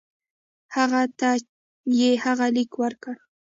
هغه ته یې هغه لیک ورکړ.